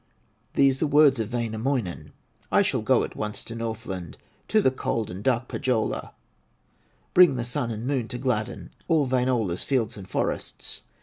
These the words of Wainamoinen: "I shall go at once to Northland, To the cold and dark Pohyola, Bring the Sun and Moon to gladden All Wainola's fields and forests."